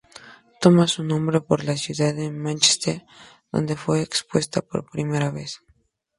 Toma su nombre por la ciudad de Mánchester donde fue expuesta por primera vez.